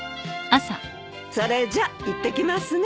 それじゃ行ってきますね。